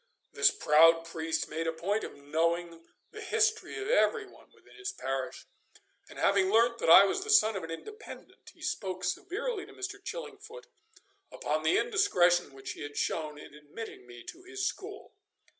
This proud priest made a point of knowing the history of every one within his parish, and having learnt that I was the son of an Independent, he spoke severely to Mr. Chillingfoot upon the indiscretion which he had shown in admitting me to his school.